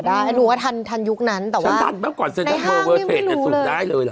ในห้างยังไม่รู้เลย